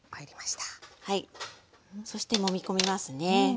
そしてもみ込みますね。